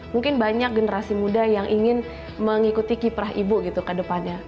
mungkin banyak generasi muda yang ingin mengikuti kiprah ibu gitu ke depannya